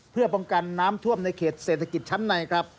เพื่อป้องกันน้ำท่วมในเขตเศรษฐกิจชั้นในครับ